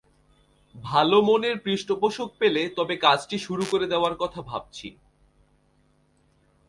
ভালো মনের পৃষ্ঠপোষক পেলে, তবে কাজটি শুরু করে দেওয়ার কথা ভাবছি।